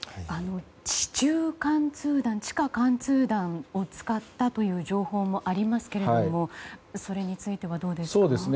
地中貫通弾地下貫通弾を使ったという情報もありますけれどもそれについてはどうですか？